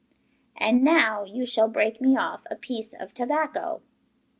And now you shall break me off a piece of tobacco.